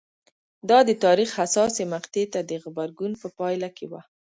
دا د تاریخ حساسې مقطعې ته د غبرګون په پایله کې وه